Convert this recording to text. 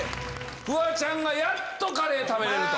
フワちゃんがやっとカレー食べれる。